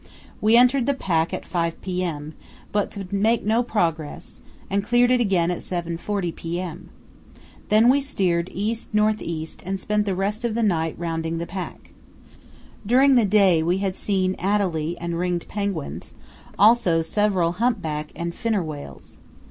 We entered the pack at 5 p.m., but could not make progress, and cleared it again at 7.40 p.m. Then we steered east north east and spent the rest of the night rounding the pack. During the day we had seen adelie and ringed penguins, also several humpback and finner whales.